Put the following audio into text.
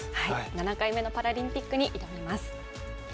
７回目のパラリンピックに挑みます